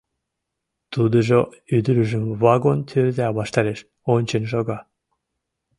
Тудыжо ӱдыржым вагон тӧрза ваштареш ончен шога.